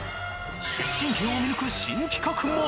出身県を見抜く新企画も！